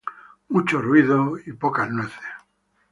Mucho ruido y pocas nueces.